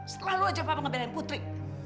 selalu aja papa ngebelain putri